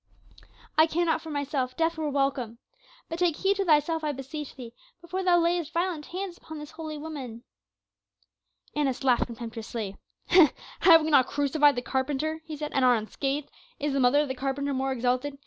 "I care not for myself death were welcome. But take heed to thyself, I beseech thee, before thou layest violent hands upon this holy woman." Annas laughed contemptuously. "Have we not crucified the carpenter?" he said, "and are unscathed; is the mother of the carpenter more exalted?